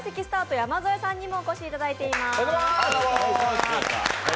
・山添さんにもお越しいただいています。